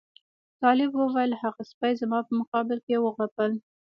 طالب وویل هغه سپي زما په مقابل کې وغپل.